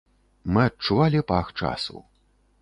Мы адчувалі пах часу.